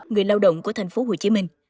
người lao động của thành phố hồ chí minh